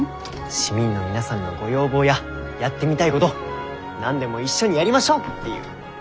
市民の皆さんのご要望ややってみたいごど何でも一緒にやりましょうっていう。